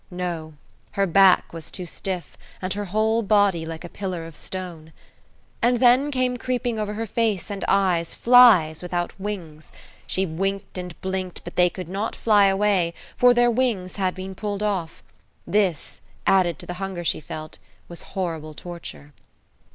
No; her back was too stiff, and her whole body like a pillar of stone. And then came creeping over her face and eyes flies without wings; she winked and blinked, but they could not fly away, for their wings had been pulled off; this, added to the hunger she felt, was horrible torture.